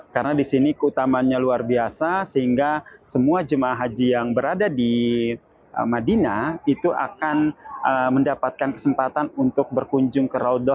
karena di sini keutamannya luar biasa sehingga semua jemaah haji yang berada di madinah itu akan mendapatkan kesempatan untuk berkunjung